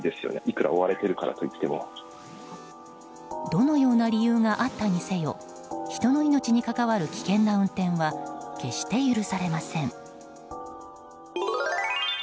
どのような理由があったにせよ人の命に関わる危険な運転は決して許されません。